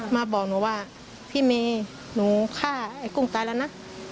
มาบอกหนูว่าพี่เมย์หนูฆ่าไอ้กุ้งตายแล้วนะ